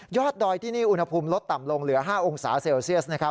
ดอยที่นี่อุณหภูมิลดต่ำลงเหลือ๕องศาเซลเซียส